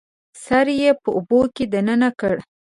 سر یې په اوبو کې دننه کړ